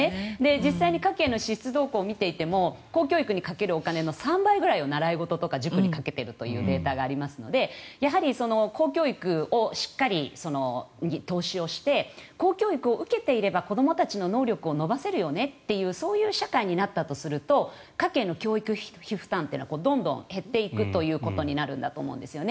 実際に家計の支出動向を見ていても公教育にかけるお金の３倍くらいを習い事や塾にかけているというデータがありますのでやはり公教育にしっかり投資をして公教育を受けていれば子どもの能力を伸ばせるよねというそういう社会になったとすると家計の教育費負担はどんどん減っていくということになるんだと思うんです。